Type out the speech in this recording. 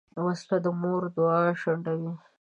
وسله د مور دعا شنډوي